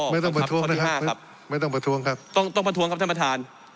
ไม่ต้องประท้วงนะครับไม่ต้องประท้วงครับต้องประท้วงครับท่านประธาน